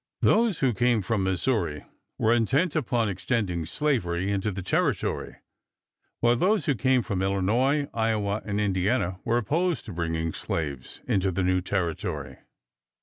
Those who came from Missouri were intent upon extending slavery into the Territory, while those who came from Illinois, Iowa, and Indiana were opposed to bringing slaves into the new Territory.